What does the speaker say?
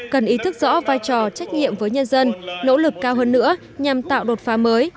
cần ý thức rõ vai trò trách nhiệm với nhân dân nỗ lực cao hơn nữa nhằm tạo đột phá mới